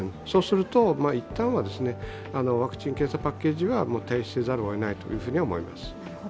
そうすると、一旦はワクチン・検査パッケージは停止せざるをえないと思います。